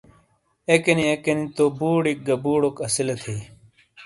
اکینی اکینی تو بھوڑیک گہ بھوڑوک اسیلے تئھی